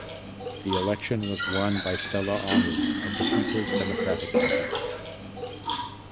The election was won by Stella Omu of the Peoples Democratic Party.